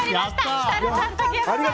設楽さんと竹山さん